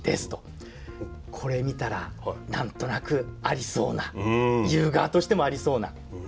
これ見たら何となくありそうな言う側としてもありそうな。